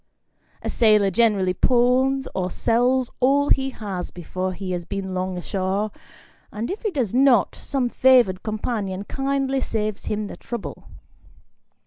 A sailor generally pawns or sells all he has before he has been long ashore, and if he does not, some favoured companion kindly saves him the trouble.